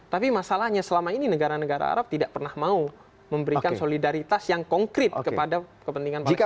tapi masalahnya selama ini negara negara arab tidak pernah mau memberikan solidaritas yang konkret kepada kepentingan politik